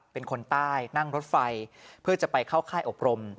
เป็นคนใต้นั่งรถไฟเพื่อจะไปเข้าค่ายอบรม